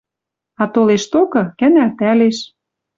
А толеш токы — кӓнӓлтӓлеш